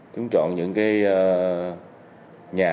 chúng chọn những nhà kiên cố